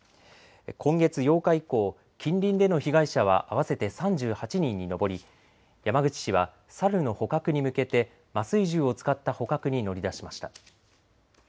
今月８日以降、近隣での被害者は合わせて３８人に上り山口市はサルの捕獲に向けて麻酔銃を使った捕獲に乗り出しました。